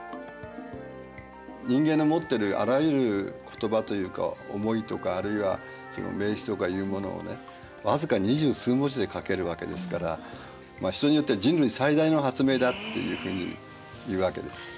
人間の持ってるあらゆる言葉というか思いとかあるいは名詞とかいうものをねわずか２０数文字で書けるわけですから人によっては人類最大の発明だっていうふうに言うわけです。